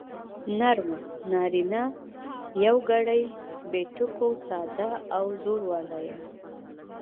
نرمه نارينه يوگړې بې ټکو ساده او زورواله يا